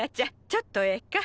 ちょっとええか？